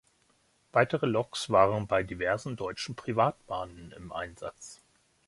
Weitere Loks waren bei diversen deutschen Privatbahnen im Einsatz.